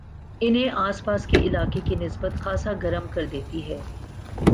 انہیں آس پاس کے علاقے کی نسبت خاصا گرم کردیتی ہے